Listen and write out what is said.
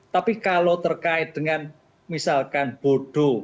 tapi kalau terkait dengan misalkan bodoh